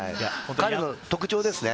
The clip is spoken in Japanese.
彼の特徴ですね。